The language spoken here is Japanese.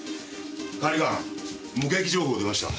管理官目撃情報出ました。